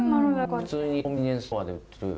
普通にコンビニエンスストアで売ってる。